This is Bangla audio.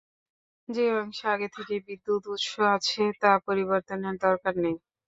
যে অংশে আগে থেকেই বিদ্যুৎ উৎস আছে, তা পরিবর্তনের দরকার নেই।